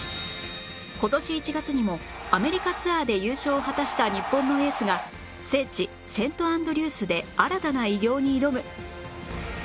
今年１月にもアメリカツアーで優勝を果たした日本のエースが聖地セントアンドリュースで新たな偉業に挑む！